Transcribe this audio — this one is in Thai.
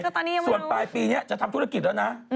ตอนนี้ยัมไม่ส่วนปลายปีนี้จะทำธุรกิจแล้วนะ